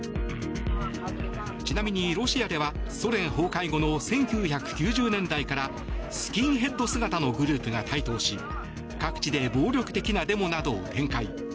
ちなみにロシアではソ連崩壊後の１９９０年代からスキンヘッド姿のグループが台頭し各地で暴力的なデモなどを展開。